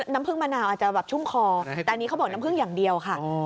น้ำผึ้งมะนาวอาจจะแบบชุ่มคอแต่อันนี้เขาบอกน้ำผึ้งอย่างเดียวค่ะ